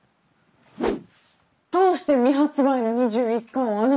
どうして未発売の２１巻をあなたが？